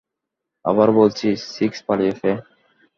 আবারও বলছি, সিক্স পালিয়েছে।